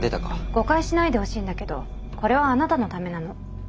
誤解しないでほしいんだけどこれはあなたのためなの。は？